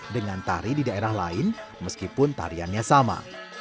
dengan tari di daerah lain meskipun tariannya sama